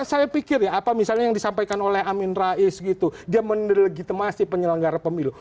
saya pikir ya apa misalnya yang disampaikan oleh amin rais gitu dia mendelegitimasi penyelenggara pemilu